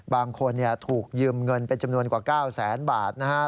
บางคนถูกยืมเงินเป็นจำนวนกว่า๙๐๐๐๐๐บาทนะฮะ